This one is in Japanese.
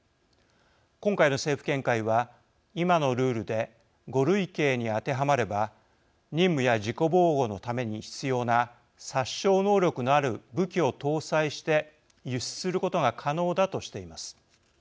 今回の政府見解は、今のルールで５類型に当てはまれば任務や自己防護のために必要な殺傷能力のある武器を搭載して輸出することが可能だとしています。